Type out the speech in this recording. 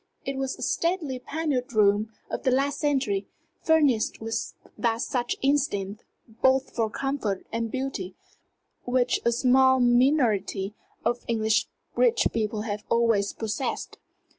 It was a stately panelled room of the last century, furnished with that sure instinct both for comfort and beauty which a small minority of English rich people have always possessed.